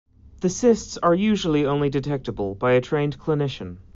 The cysts are usually only detectable by a trained clinician.